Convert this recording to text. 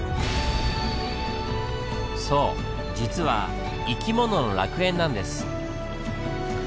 そう実は生き物の楽園なんです。